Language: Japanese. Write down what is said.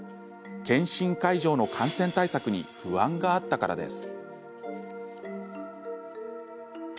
健診会場の感染対策に不安があったからです。